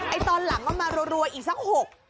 ไอ้ตอนหลังมันมารวดอีกสัก๖